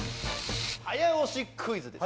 早押しクイズです。